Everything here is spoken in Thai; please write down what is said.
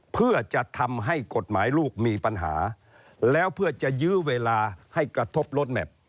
เพื่อจะทำให้กฎหมายลูกมีปัญหาแล้วเพื่อจะยื้อเวลาให้กระทบรถแมพ